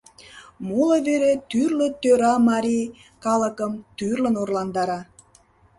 Моло вере тӱрлӧ тӧра марий калыкым тӱрлын орландара.